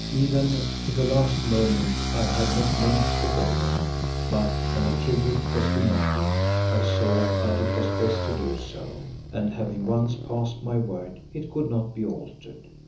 Even to the last moment I had not meant to go there, but when the tribute was demanded I saw that it was best to do so, and having once passed my word it could not be altered.